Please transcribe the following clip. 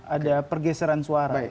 ada pergeseran suara